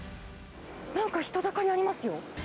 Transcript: なんか人だかりありますよ。